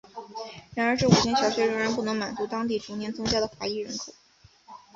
然而这五间小学仍然不能满足当地逐年增加的华裔人口。